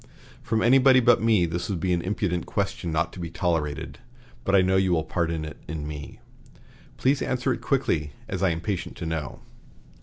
From anybody but me this would be an impudent question not to be tolerated, but I know you will pardon it in me. Please answer it quickly, as I am impatient to know."